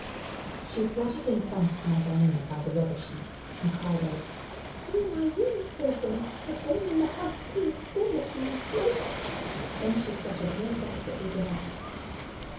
She fluttered in front of Nagaina by the rubbish heap, and cried out, 'Oh, my wing is broken! The boy in the house threw a stone at me and broke it.' Then she fluttered more desperately than ever.